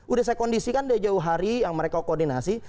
udah saya kondisikan dari jauh hari yang mereka koordinasi